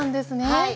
はい。